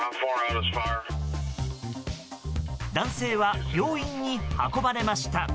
男性は病院に運ばれました。